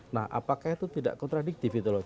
nah apakah itu tidak kontradiktif gitu loh